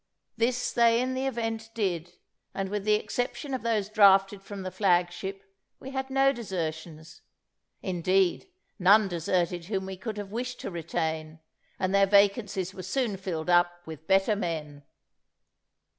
This they in the event did, and, with the exception of those drafted from the flag ship, we had no desertions. Indeed, none deserted whom we could have wished to retain, and their vacancies were soon filled up with better men.